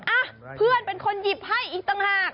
อ่ะเพื่อนเป็นคนหยิบให้อีกต่างหาก